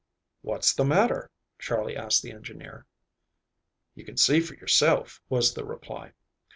"What's the matter?" Charley asked the engineer. "You can see for yourself," was the reply.